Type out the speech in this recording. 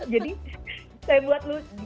jadi saya buat lucu